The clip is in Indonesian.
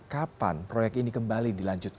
kapan proyek ini kembali